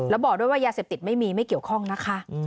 แล้วบอกด้วยว่ายาเสพติดไม่มีไม่เกี่ยวข้องนะคะ